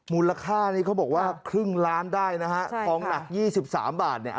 มูลค่านี้เขาบอกว่าครึ่งล้านได้นะฮะใช่ค่ะของหนักยี่สิบสามบาทเนี้ย